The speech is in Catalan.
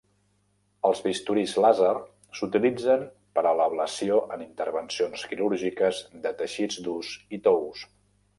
Els bisturís làser s'utilitzen per a l'ablació en intervencions quirúrgiques de teixits durs i tous.